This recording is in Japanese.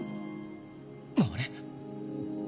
あれ？